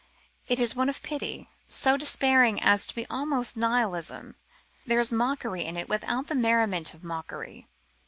It is one of pity, so despairing as to be almost nihilism. There is mockery in it without the merriment of mockery.